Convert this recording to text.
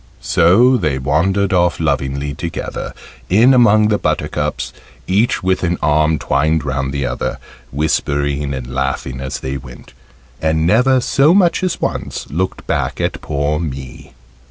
So they wandered off lovingly together, in among the buttercups, each with an arm twined round the other, whispering and laughing as they went, and never so much as once looked back at poor me.